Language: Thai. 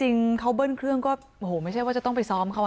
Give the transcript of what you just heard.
จริงเค้าเบิ้ลเครื่องก็ไม่ใช่ว่าจะต้องไปซ้อมเค้านะ